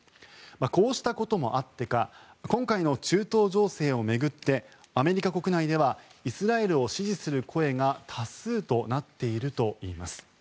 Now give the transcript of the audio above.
こうしたこともあってか今回の中東情勢を巡ってアメリカ国内ではイスラエルを支持する声が多数となっているといいます。